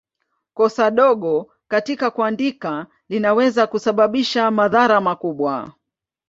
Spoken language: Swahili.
Kosa dogo katika kuandika linaweza kusababisha madhara makubwa.